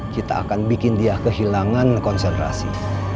kita akan bikin dia kehilangan konsentrasi